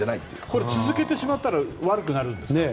これは続けてしまったら悪くなるんですか？